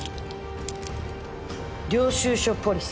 領収書ポリス。